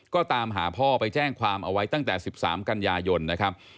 ก็ตามหาพ่อไปแจ้งความเอาไว้ตั้งแต่๑๓กันยายนนะครับ